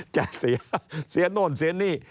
จะเสียนู่นเสียหนี้